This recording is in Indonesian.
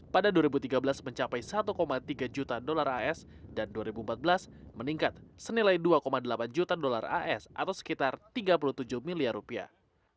pada dua ribu tiga belas mencapai satu tiga juta dolar as dan dua ribu empat belas meningkat senilai dua delapan juta dolar as atau sekitar tiga puluh tujuh miliar rupiah